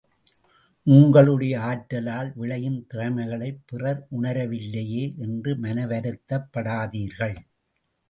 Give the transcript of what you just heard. உங்களுடைய ஆற்றலால் விளையும் திறமைகளை பிறர் உணரவில்லையே என்று மனவருத்தப் படாதீர்கள்.